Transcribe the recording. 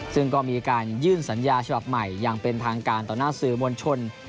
ซึ่งก็มีการยื่นสัญญาฉบับใหม่อย่างเป็นทางการต่อหน้าสื่อมวลชน